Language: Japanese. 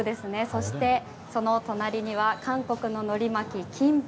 そして、その隣には韓国の海苔巻き、キンパ。